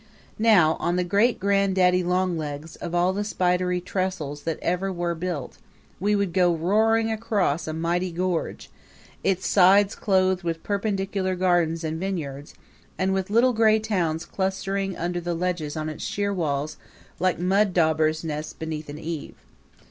Now, on the great granddaddy longlegs of all the spidery trestles that ever were built, we would go roaring across a mighty gorge, its sides clothed with perpendicular gardens and vineyards, and with little gray towns clustering under the ledges on its sheer walls like mud daubers' nests beneath an eave.